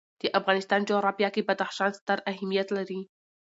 د افغانستان جغرافیه کې بدخشان ستر اهمیت لري.